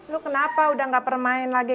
lu kenapa udah gak permain lagi